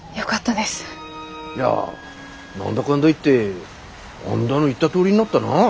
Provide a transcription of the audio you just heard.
いや何だかんだいってあんだの言ったとおりになったな。